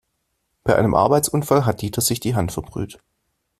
Bei einem Arbeitsunfall hat Dieter sich die Hand verbrüht.